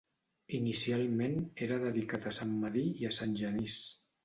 Inicialment era dedicat a Sant Medir i a Sant Genís.